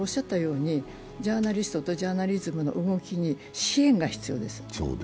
ジャーナリストとジャーナリズムの動きに支援が必要です。